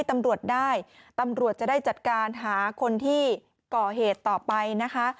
ตำรวจจะได้จัดการหาคนที่ก่อเหตุต่อไปนะคะ